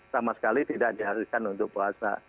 sama sekali tidak diharuskan untuk puasa